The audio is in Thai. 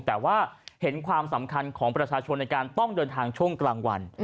แต่ว่าเห็นความสำคัญของประชาชนในการต้องเดินทางช่วงกลางวัน